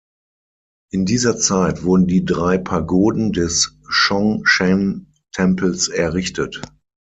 In dieser Zeit wurden die drei Pagoden des Chongshen-Tempels errichtet.